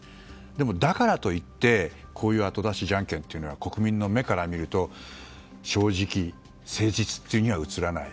でもだからといって、こういう後出しじゃんけんというのは国民の目から見ると正直、誠実には映らない。